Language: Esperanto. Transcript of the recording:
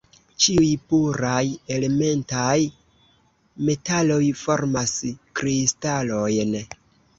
Ĉiuj puraj elementaj metaloj formas kristalojn.